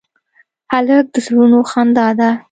هلک د زړونو خندا ده.